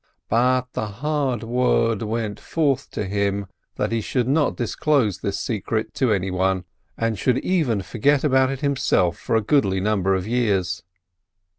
But the hard word went forth to him that he should not disclose this secret decree to anyone, and should even forget it himself for a goodly number of years.